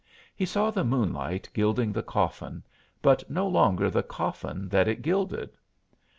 He saw the moonlight gilding the coffin, but no longer the coffin that it gilded.